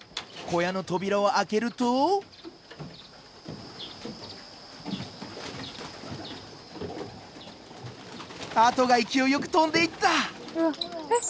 小屋の扉を開けるとハトが勢いよく飛んでいった！